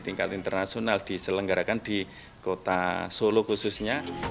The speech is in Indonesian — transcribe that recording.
tingkat internasional diselenggarakan di kota solo khususnya